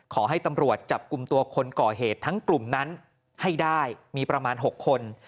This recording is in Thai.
ขอให้ตำรวจจับกลุ่มตัวคนก่อเหตุทั้งกลุ่มนั้นให้ได้มีประมาณ๖คน